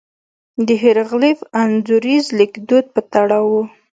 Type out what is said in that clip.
د هېروغلیف انځوریز لیکدود په تړاو وو.